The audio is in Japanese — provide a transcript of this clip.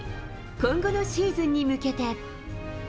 今後のシーズンに向けて。